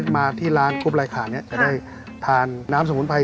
มาที่ร้านกรุ๊ปรายการนี้จะได้ทานน้ำสมุนไพร